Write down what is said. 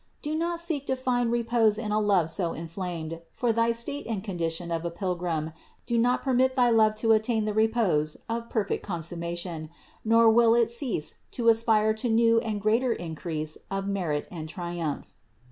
But do not seek to find re pose in a love so inflamed; for thy state and condition of a pilgrim do not permit thy love to attain the repose of perfect consummation, nor will it cease to aspire to new and greater increase of merit and triumph.